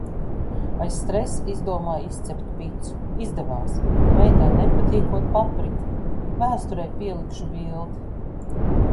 Aiz stresa izdomāju izcept picu. Izdevās, bet meitai nepatīkot paprika. Vēsturei pielikšu bildi.